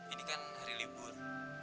ini kan hari libur